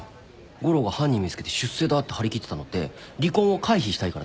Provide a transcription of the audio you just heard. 悟郎が犯人見つけて出世だって張り切ってたのって離婚を回避したいからだろ？